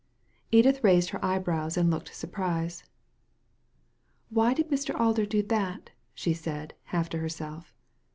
Edith raised her eyebrows and looked surprised. •Why did Mr. Alder do that?" she said, half to herself.